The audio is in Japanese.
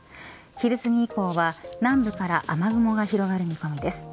昼すぎ以降は南部から雨雲が広がる見込みです。